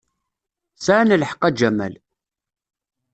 Sɛan lḥeqq, a Jamal.